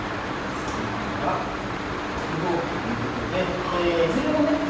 ３番が６五歩ということでいずれもね